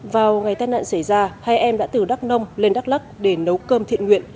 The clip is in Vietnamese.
vào ngày tai nạn xảy ra hai em đã từ đắk nông lên đắk lắc để nấu cơm thiện nguyện